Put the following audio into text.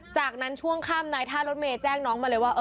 จากนั้นช่วงค่ำนายท่ารถเมย์แจ้งน้องมาเลยว่า